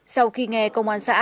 sau khi nghe công an xã